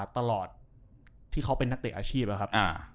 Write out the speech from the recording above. ที่เขาเป็นนักเตะอาชีพแล้วครับ